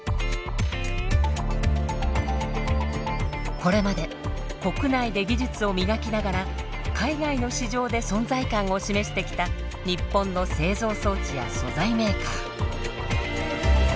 これまで国内で技術を磨きながら海外の市場で存在感を示してきた日本の製造装置や素材メーカー。